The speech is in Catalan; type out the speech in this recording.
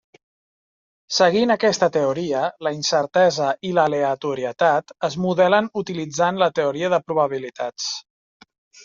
Seguint aquesta teoria, la incertesa i l'aleatorietat es modelen utilitzant la teoria de probabilitats.